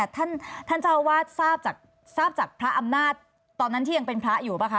ท่านเจ้าอาวาสทราบจากพระอำนาจตอนนั้นที่ยังเป็นพระอยู่ป่ะคะ